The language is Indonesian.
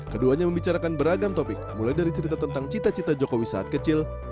keduanya membicarakan beragam topik mulai dari cerita tentang cita cita jokowi saat kecil